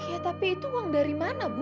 iya tapi itu uang dari mana bu